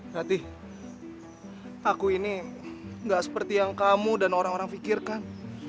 berarti aku ini gak seperti yang kamu dan orang orang pikirkan